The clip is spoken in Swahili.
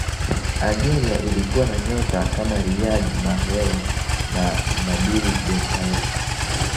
algeria ilikuwa na nyota kama riyad mahrez na nabil bentaleb